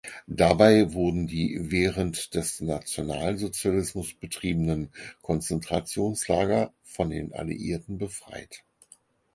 Dabei wurden die während des Nationalsozialismus betriebenen Konzentrationslager von den Alliierten befreit.